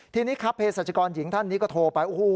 ทีนี้ค้าเพจสจกรหญิงท่านนี้ก็โทรไป